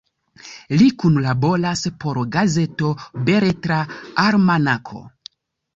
Li kunlaboras por gazeto Beletra Almanako.